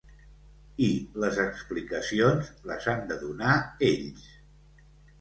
I les explicacions les han de donar ells.